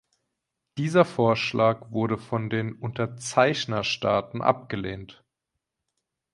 Dieser Vorschlag wurde von den Unterzeichnerstaaten abgelehnt.